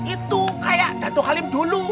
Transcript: itu seperti dato' halim dulu